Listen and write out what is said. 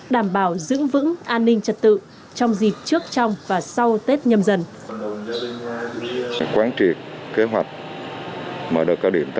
đảm bảo giữ vững an ninh trật tự trong dịp trước trong và sau tết nhâm dần